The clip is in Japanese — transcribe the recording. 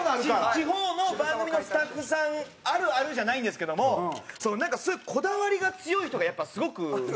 地方の番組のスタッフさんあるあるじゃないんですけどもなんかすごいこだわりが強い人がやっぱすごくいてて。